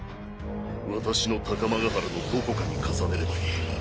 私の「傾天平面」のどこかに重ねればいい。